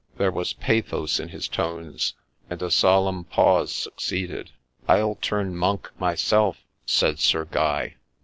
— There was pathos in his tones, and a solemn pause succeeded. 'I'll turn monk myself I' said Sir Guy.